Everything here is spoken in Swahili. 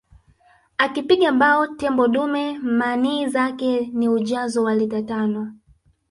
Akipiga bao tembo dume manii zake ni ujazo wa lita tano